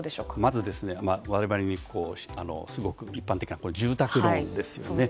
まず我々にすごく一般的な住宅ローンですよね。